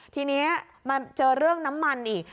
ทีนี้มาเจอเรื่องน้ำมันอีก